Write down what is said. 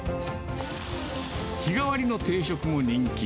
日替わりの定食も人気。